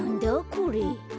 これ。